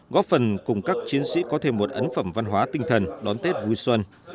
góp phần cùng các chiến sĩ có thêm một ấn phẩm văn hóa tinh thần đón tết vui xuân